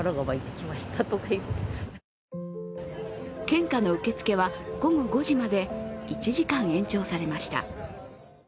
献花の受付は午後５時まで１時間延長されました。